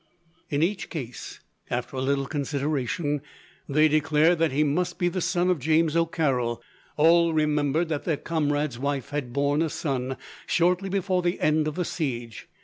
In each case, after a little consideration, they declared that he must be the son of James O'Carroll. All remembered that their comrade's wife had borne a son, shortly before the end of the siege.